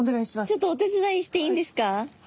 ちょっとお手伝いしていいんですか？